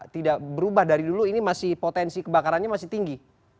tidak berubah dari dulu ini masih potensi kebakarannya masih tinggi